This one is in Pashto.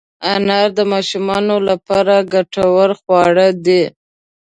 انار د ماشومانو لپاره ګټور خواړه دي.